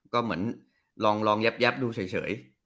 ก็เหมือนลองยับดูเฉย